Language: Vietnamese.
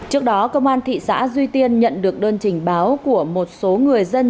trước đó công an thị xã duy tiên nhận được đơn trình báo của một số người dân